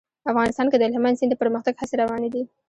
افغانستان کې د هلمند سیند د پرمختګ هڅې روانې دي.